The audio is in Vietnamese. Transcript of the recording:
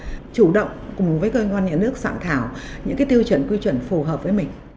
và chủ động cùng với cơ quan nhà nước soạn thảo những cái tiêu chuẩn quy chuẩn phù hợp với mình